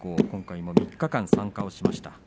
今回も３日間、参加しました。